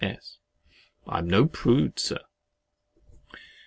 S. I am no prude, Sir.